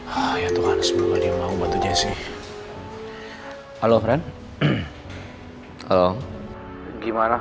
hai goyah semoga dia mau bantu nyesih hi halo keren kalon gimana